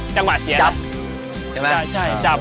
จังหวะเสียครับ